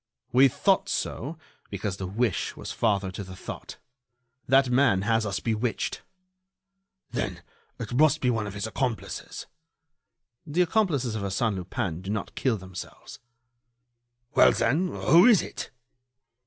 "We thought so, because the wish was father to the thought. That man has us bewitched." "Then it must be one of his accomplices." "The accomplices of Arsène Lupin do not kill themselves." "Well, then, who is it?"